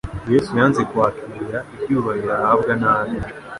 Yesu yanze kwakira ibyubahiro ahabwa n'abe